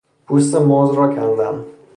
پوست موز را کندن